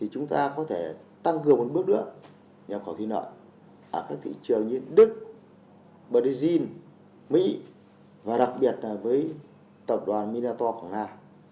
chúng ta có thể tăng cường một bước nữa nhập khẩu thịt lợn ở các thị trường như đức brazil mỹ và đặc biệt là với tập đoàn minato quảng nam